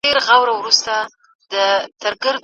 دا علم د پوهنیزو اصولو په رڼا کي زده کوونکو ته ښودل کيږي.